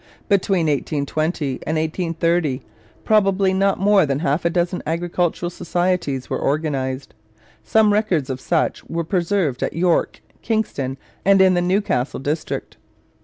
Between 1820 and 1830 probably not more than half a dozen agricultural societies were organized. Some records of such were preserved at York, Kingston, and in the Newcastle district.